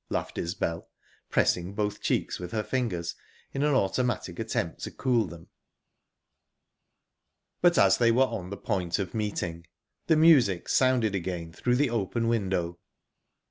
laughed Isbel, pressing both cheeks with her fingers in an automatic attempt to cool them. But as they were on the point of meeting, the music sounded again through the open window.